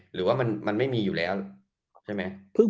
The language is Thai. หรือว่ามันไม่มีอยู่แล้วใช่ไหม